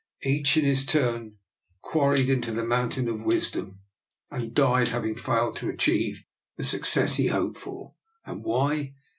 Each in his turn quarried in the mountain of Wisdom, and died having failed to achieve the success he hoped for. And why?